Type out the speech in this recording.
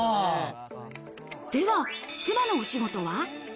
では、妻のお仕事は？